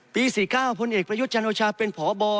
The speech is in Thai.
ปี๔๙พ้นเอกประยุทธ์จันโอชาเป็นผ่อบอ